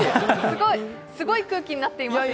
すごい空気になっています、今。